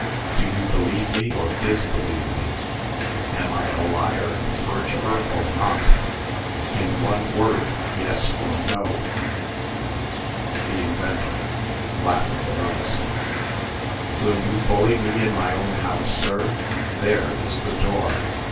Do you believe me, or disbelieve me? Am I a liar and perjurer, or not? In one word; yes, or no!" THE INVENTOR (laughing nervously). "Will you bully me in my own house, sir? There is the door.